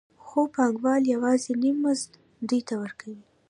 خو پانګوال یوازې نیم مزد دوی ته ورکوي